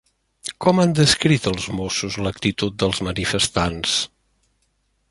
Com han descrit els Mossos l'actitud dels manifestants?